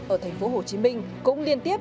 ở thành phố hồ chí minh cũng liên tiếp